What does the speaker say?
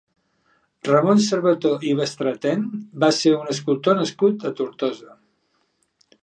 Ramon Cerveto i Bestratén va ser un escultor nascut a Tortosa.